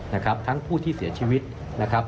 นะครับทั้งผู้ที่เสียชีวิตนะครับ